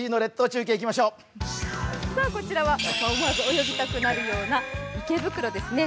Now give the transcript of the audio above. こちらは、思わず泳ぎたくなるような、池袋ですね。